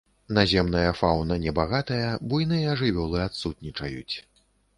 Наземная фаўна не багатая, буйныя жывёлы адсутнічаюць.